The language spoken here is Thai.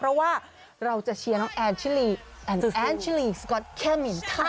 เพราะว่าเราจะเชียร์น้องแอนชิลีสุดท้ายแหละ